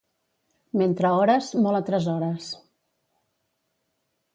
Mentre ores, molt atresores.